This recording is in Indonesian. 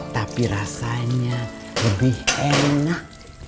tapi rasanya lebih enak